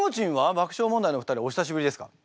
爆笑問題のお二人お久しぶりですか？